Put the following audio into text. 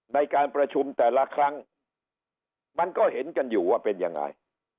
ในการประชุมแต่ละครั้งมันก็เห็นกันอยู่ว่าเป็นยังไง